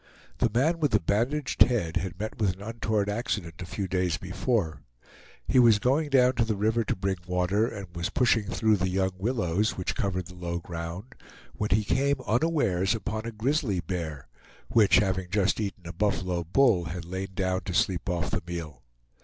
The man with the bandaged head had met with an untoward accident a few days before. He was going down to the river to bring water, and was pushing through the young willows which covered the low ground, when he came unawares upon a grizzly bear, which, having just eaten a buffalo bull, had lain down to sleep off the meal.